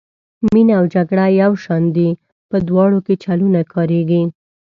مینه او جګړه یو شان دي په دواړو کې چلونه کاریږي.